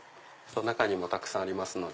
中にもたくさんありますので。